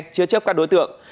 chứa chấp các đối tượng